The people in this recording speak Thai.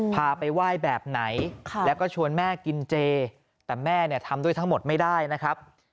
พาไปไหว้แบบไหนแล้วก็ชวนแม่กินเจแต่แม่เนี่ยทำด้วยทั้งหมดไม่ได้นะครับ